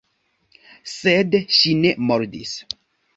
Sed ŝi ne mordis.